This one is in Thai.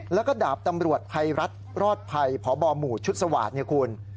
แล้วก็ดาบตำรวจภัยรัฐรอดภัยพบหมู่ชุดสวาสตร์เนี่ยคุณ